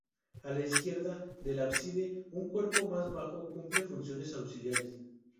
A la izquierda del ábside, un cuerpo más bajo cumple funciones auxiliares.